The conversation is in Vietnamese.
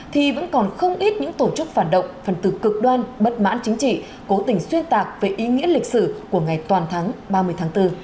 thì vẫn còn không ít những tổ chức phản động phần từ cực đoan bất mãn chính trị cố tình xuyên tạc về ý nghĩa lịch sử của ngày toàn thắng ba mươi tháng bốn